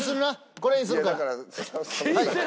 これにするから。